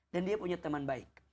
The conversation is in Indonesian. dan dia punya teman baik